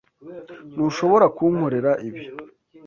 Ntushobora kunkorera ibi.